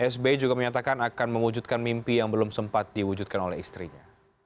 sbi juga menyatakan akan mewujudkan mimpi yang belum sempat diwujudkan oleh istrinya